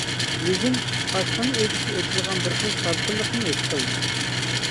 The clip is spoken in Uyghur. يۈزۈم ئاشخانا ئۆيدىكى ئېچىلغان بىر خىل سالقىنلىقنى ھېس قىلدى.